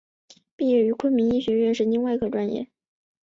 毕业于昆明医学院神经外科专业。